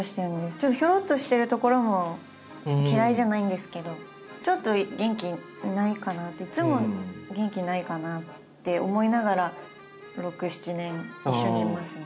ちょっとひょろっとしてるところも嫌いじゃないんですけどちょっと元気ないかなっていつも元気ないかなって思いながら６７年一緒にいますね。